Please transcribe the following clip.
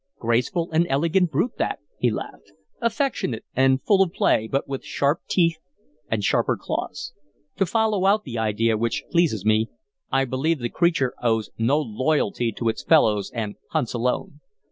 "Graceful and elegant brute, that," he laughed. "Affectionate and full of play, but with sharp teeth and sharper claws. To follow out the idea, which pleases me, I believe the creature owes no loyalty to its fellows and hunts alone.